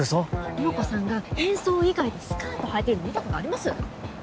涼子さんが変装以外でスカートはいてるの見たことあります？